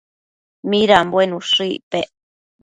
midanbuen ushë icpec?